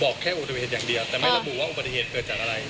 แค่อุบัติเหตุอย่างเดียวแต่ไม่ระบุว่าอุบัติเหตุเกิดจากอะไร